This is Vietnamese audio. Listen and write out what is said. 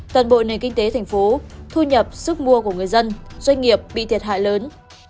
toàn bộ nền kinh tế thành phố thu nhập sức mua của người dân doanh nghiệp bị thiệt hại lớn